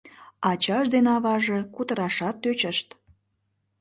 Ачаж ден аваже кутырашат тӧчышт.